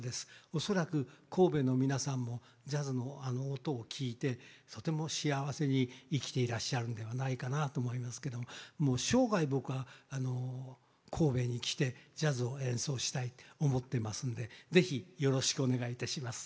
恐らく神戸の皆さんもジャズの音を聴いてとても幸せに生きていらっしゃるんではないかなと思いますけどももう生涯僕は神戸に来てジャズを演奏したいって思ってますので是非よろしくお願いいたします。